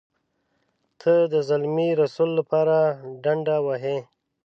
ته د زلمي رسول لپاره ډنډه وهې.